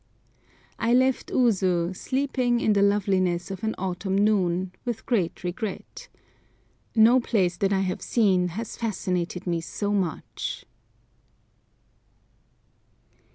I left Usu sleeping in the loveliness of an autumn noon with great regret. No place that I have seen has fascinated me so much.